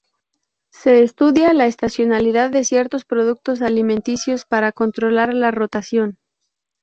Se estudia la estacionalidad de ciertos productos alimenticios para controlar la rotación.